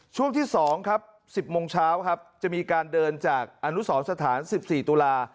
ช่วงที่สองครับสิบโมงเช้าครับจะมีการเดินจากอนุสอสถานสิบสี่ตุลา